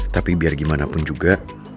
tapi biar gimana pun juga